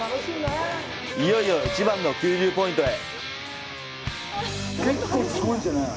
いよいよ、一番の急流ポイントへ。